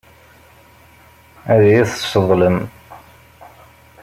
Ad iyi-tesseḍlem.